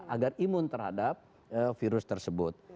agar imun terhadap virus tersebut